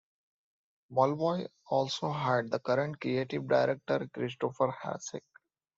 Mulvoy also hired the current creative director Christopher Hercik.